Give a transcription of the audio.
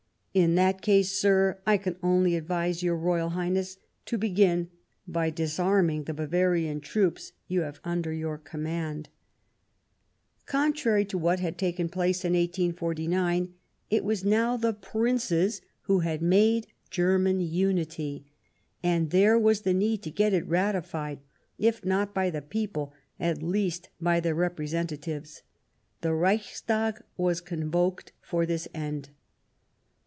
" In that case. Sir, I can only advise your Royal Highness to begin by disarming the Bavarian troops you have under your com mand." 160 The German Empire Contrary to what had taken place in 1849, it was now_the Princes who had made^GcrmaH imity ;—^ and there waslFe need'fcTget it ratified, if not by the people, at least by their representatives. The Reichstag was convoked for this end.